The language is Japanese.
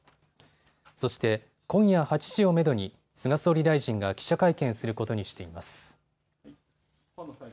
そして今夜８時をめどに菅総理大臣が記者会見することにしています。